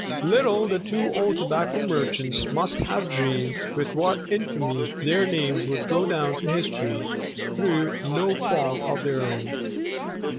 Little the two old tobacco merchants must have dreamed with what infamy their names would go down to history, through no fault of their own.